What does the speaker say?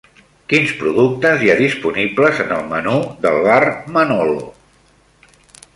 Quins productes hi ha disponibles en el menú del bar Manolo?